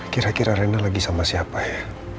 kira kira rena lagi sama siapa ya